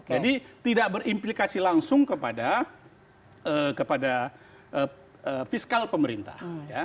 jadi tidak berimplikasi langsung kepada fiskal pemerintah